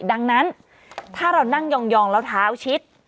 ดังนั้นถ้าเรานั่งยองแล้วเท้าชิด